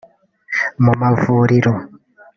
mu mavuriro